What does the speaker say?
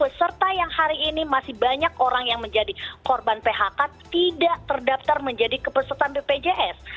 peserta yang hari ini masih banyak orang yang menjadi korban phk tidak terdaftar menjadi kepesertaan bpjs